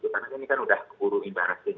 karena ini kan udah keburu indah resim